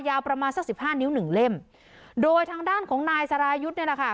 ยาวประมาณสักสิบห้านิ้วหนึ่งเล่มโดยทางด้านของนายสรายุทธ์เนี่ยนะคะ